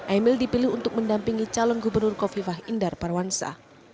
emil dipilih untuk mendampingi calon gubernur kofi fahindar parwansa